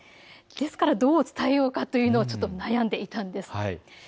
ですからどう伝えようかというのをちょっと悩んでいたんです。